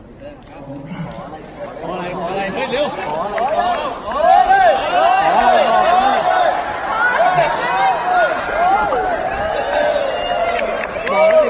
โรงการโรงภารกิจ